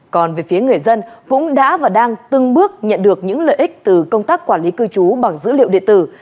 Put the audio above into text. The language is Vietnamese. còn về phía người dân cũng đã và đang từng bước nhận được những lợi ích từ công tác quản lý cư trú bằng dữ liệu điện tử